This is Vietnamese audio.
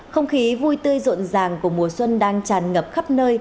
không khí vui tươi rộn ràng của mùa xuân đang tràn ngập khắp nơi